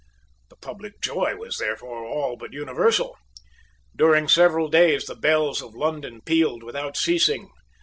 The public joy was therefore all but universal. During several days the bells of London pealed without ceasing.